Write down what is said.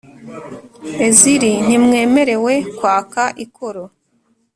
Ezr ntimwemerewe kwaka ikoro